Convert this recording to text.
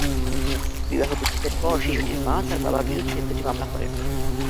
বিবাহবিচ্ছেদের পর শিশুটির মা তার বাবার বিরুদ্ধে দুটি মামলা করেন।